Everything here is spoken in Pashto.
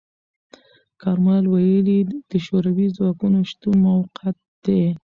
کارمل ویلي، د شوروي ځواکونو شتون موقت دی.